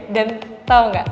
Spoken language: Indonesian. dan tau gak